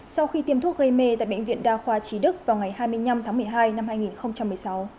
sau khi tiêm thuốc gây mê tại bệnh viện đa khoa trí đức vào ngày hai mươi năm tháng một mươi hai năm hai nghìn một mươi sáu